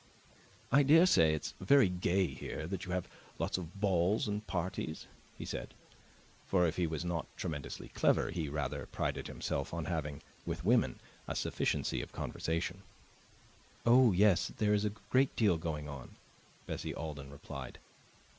"I daresay it's very gay here, that you have lots of balls and parties," he said; for, if he was not tremendously clever, he rather prided himself on having, with women, a sufficiency of conversation. "Oh, yes, there is a great deal going on," Bessie Alden replied.